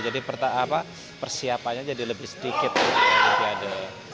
jadi persiapannya jadi lebih sedikit ke olimpiade